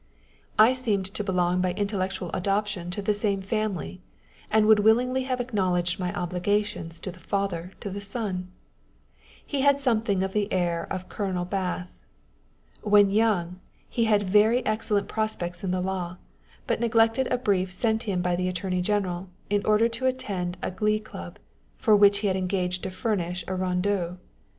I seemed to belong by intellectual adoption to the same family, and would willingly have acknowledged my obligations to the father to the son. He had some thing of the air of Colonel Bath. When young, he had very excellent prospects in the law, but neglected a brief sent him by the Attorney General, in order to attend a glee club, for which he had engaged to furnish a rondeau.